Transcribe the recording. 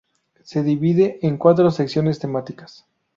Se divide en cuatro secciones temáticas.